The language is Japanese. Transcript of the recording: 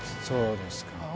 そうですか。